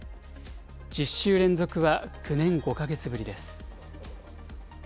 １０週連続は９年５か月ぶりです。